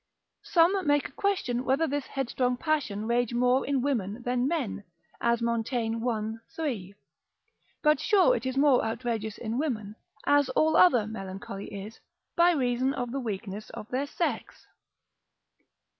Some make a question whether this headstrong passion rage more in women than men, as Montaigne l. 3. But sure it is more outrageous in women, as all other melancholy is, by reason of the weakness of their sex.